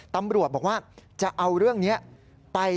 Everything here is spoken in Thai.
ตำรวจบอกว่าจะเอาเรื่องนี้ไป